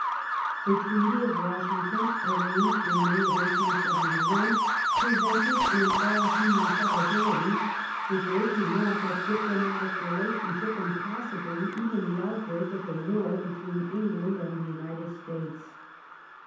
The Treaty of Wash ington, arranged in May, 1871, prevented, in all human probability, the breaking off of diplomatic relationship, and possibly even the outbreak of a war between England and the United States.